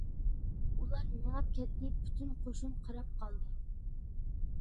ئۇلار مېڭىپ كەتتى، پۈتۈن قوشۇن قاراپ قالدى.